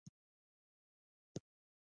د تاریخ فیروز شاهي لیکوال ضیا الدین برني دی.